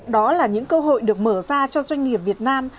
đó là những cơ hội được mở ra cho doanh nghiệp việt nam